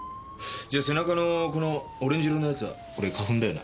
じゃ背中のこのオレンジ色のやつはこれ花粉だよな？